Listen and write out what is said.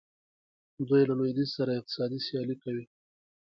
دوی له لویدیځ سره اقتصادي سیالي کوي.